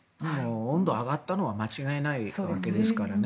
温度が上がったのは間違いないわけですからね。